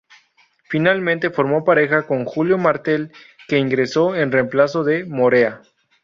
Finalmente formó pareja con Julio Martel, que ingresó en remplazo de Morea.